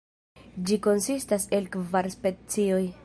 Ĝi konsistas el kvar specioj.